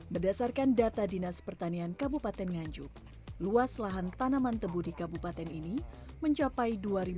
berdasarkan data dinas pertanian kabupaten nganjuk luas lahan tanaman tebu di kabupaten ini mencapai dua sembilan ratus lima belas lima hektare